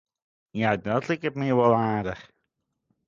Ja, dat liket my wol aardich.